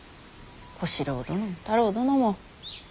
小四郎殿も太郎殿も。